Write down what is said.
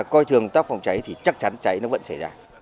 coi thường tác phòng cháy thì chắc chắn cháy nó vẫn xảy ra